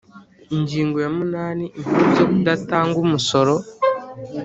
Ingingo ya munani Impamvu zo kudatanga umusoro